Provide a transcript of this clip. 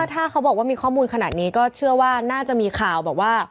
ถ้าเขาบอกว่ามีข้อมูลขนาดนี้ก็เชื่อว่าน่าจะมีข่าวแบบว่า